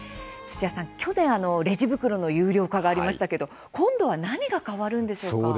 去年、レジ袋の有料化がありましたが今度は何が変わるんでしょうか。